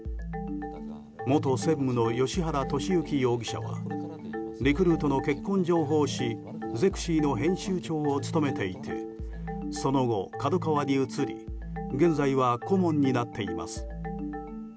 元専務の芳原世幸容疑者はリクルートの結婚情報誌「ゼクシィ」の編集長を務めていてその後、ＫＡＤＯＫＡＷＡに移り現在は顧問になっています。